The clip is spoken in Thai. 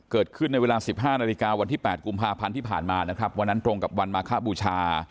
เกิดขึ้นในเวลา๑๕นาฬิกาวันที่๘กุมภาพันธ์ที่ผ่านมานะครับวันนั้นตรงกับวันมาคบูชา